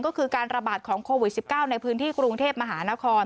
ก็คือการระบาดของโควิด๑๙ในพื้นที่กรุงเทพมหานคร